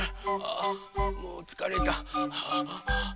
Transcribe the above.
あもうつかれた！